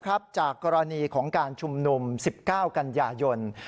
จากกรณีของการชุมนุม๑๙กันยายน